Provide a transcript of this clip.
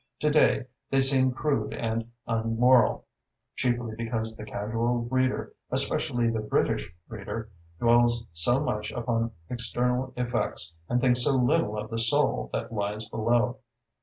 To day they seem crude and unmoral, chiefly because the casual reader, especially the British reader, dwells so much upon external effects and thinks so little of the soul that lies below.